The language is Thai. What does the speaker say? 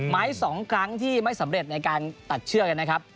๒ครั้งที่ไม่สำเร็จในการตัดเชือกนะครับ